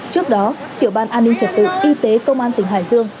trước đó tiểu ban an ninh trật tự y tế công an tỉnh hải dương